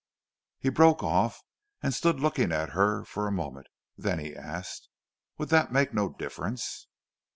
He broke off and stood looking at her for a moment. Then he asked, "Would that make no difference?"